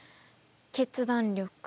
決断力。